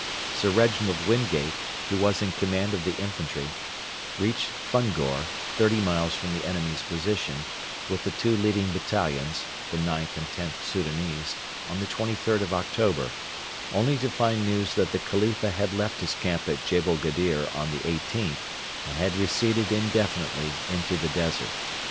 Sir Reginald Wingate, who was in command of the infantry, reached Fungor, thirty miles from the enemy's position, with the two leading battalions (IXth and Xth Soudanese) on the 23rd of October, only to find news that the Khalifa had left his camp at Jebel Gedir on the 18th and had receded indefinitely into the desert.